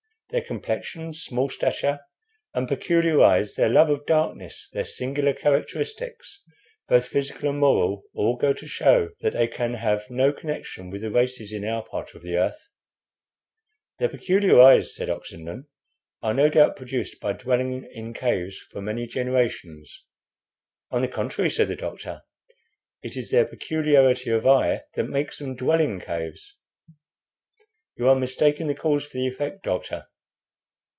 Their complexion, small stature, and peculiar eyes their love of darkness, their singular characteristics, both physical and moral, all go to show that they can have no connection with the races in our part of the earth." "Their peculiar eyes," said Oxenden, "are no doubt produced by dwelling in caves for many generations." "On the contrary," said the doctor, "it is their peculiarity of eye that makes them dwell in caves." "You are mistaking the cause for the effect, doctor."